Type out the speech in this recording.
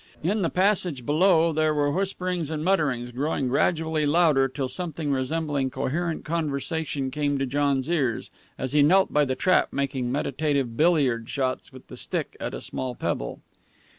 In the passage below there were whisperings and mutterings, growing gradually louder till something resembling coherent conversation came to John's ears, as he knelt by the trap making meditative billiard shots with the stick at a small pebble.